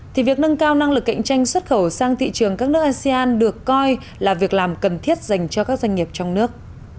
thì việc nâng cao năng lực cạnh tranh xuất khẩu sang thị trường các nước asean được coi là việc làm cần thiết dành cho các doanh nghiệp trong nước